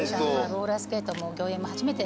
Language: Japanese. ローラースケートも御苑も初めて。